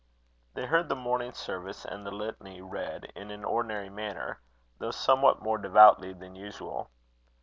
They heard the Morning Service and the Litany read in an ordinary manner, though somewhat more devoutly than usual.